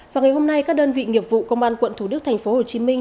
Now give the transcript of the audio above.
và ngày hôm nay các đơn vị nghiệp vụ công an quận thủ đức thành phố hồ chí minh